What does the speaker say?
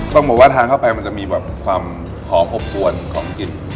ต้องบอกว่าทานเข้าไปมันจะมีแบบความพอครบถ้วนของกลิ่น